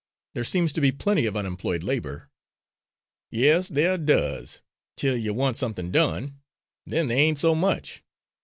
There seems to be plenty of unemployed labour." "Yes, there does, till you want somethin' done; then there ain't so much.